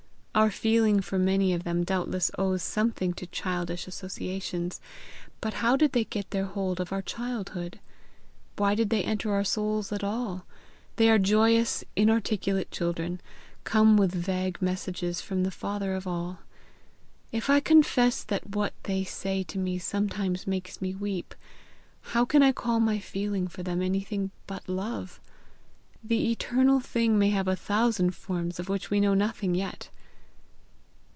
Our feeling for many of them doubtless owes something to childish associations; but how did they get their hold of our childhood? Why did they enter our souls at all? They are joyous, inarticulate children, come with vague messages from the father of all. If I confess that what they say to me sometimes makes me weep, how can I call my feeling for them anything but love? The eternal thing may have a thousand forms of which we know nothing yet!"